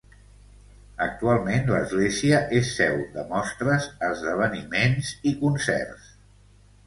Actualment l'església és seu de mostres, esdeveniments i concerts.